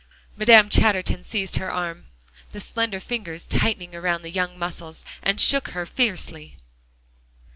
Madame Chatterton seized her arm, the slender fingers tightening around the young muscles, and shook her fiercely.